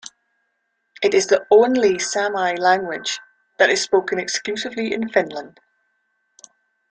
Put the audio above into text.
It is the only Sami language that is spoken exclusively in Finland.